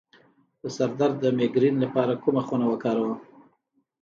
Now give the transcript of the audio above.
د سر درد د میګرین لپاره کومه خونه وکاروم؟